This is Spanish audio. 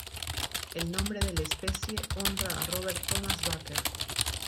El nombre de la especie honra a Robert Thomas Bakker.